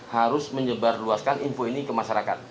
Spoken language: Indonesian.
harus menyebar luaskan info ini ke masyarakat